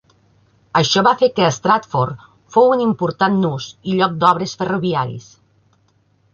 Això va fer que Stratford fou un important nus i lloc d'obres ferroviaris.